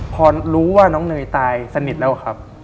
พอรู้ว่าน้องเนยตายสนิทแล้วครับ